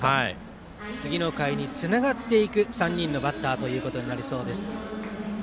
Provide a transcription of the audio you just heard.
次の回につながっていく３人のバッターということになりそうです。